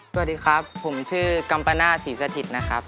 สวัสดีครับผมชื่อกัมปะหน้าสีสัทิศนะครับ